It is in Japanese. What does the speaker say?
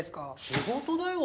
仕事だよ